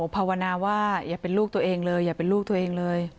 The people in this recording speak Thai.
ภาวนาว่าอย่าเป็นลูกตัวเองเลยอย่าเป็นลูกตัวเองเลย